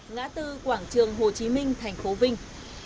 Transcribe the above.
ngã tư quảng trường hồ chí minh tp vinh